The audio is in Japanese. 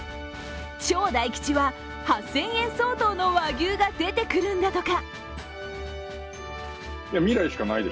超大吉は８０００円相当の和牛が出てくるんだとか。